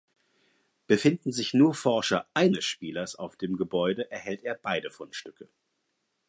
Befinden sich nur Forscher eines Spielers auf dem Gebäude erhält er beide Fundstücke.